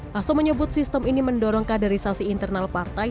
hasto menyebut sistem ini mendorong kaderisasi internal partai